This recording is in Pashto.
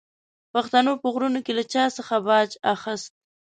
پښتنو په غرونو کې له چا څخه باج اخیست.